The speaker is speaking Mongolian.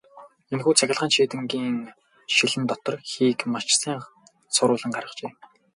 Энэхүү цахилгаан чийдэнгийн шилэн доторх хийг маш сайн соруулан гаргажээ.